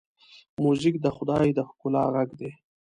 موزیک د خدای د ښکلا غږ دی.